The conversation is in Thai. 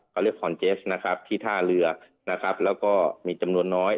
ก็เรียกคอนเจสนะครับที่ท่าเรือนะครับแล้วก็มีจำนวนน้อย